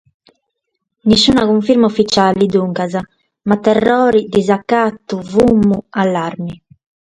Nissuna cunfirma ufitziale duncas, ma terrore, disacatu, fumu, allarme.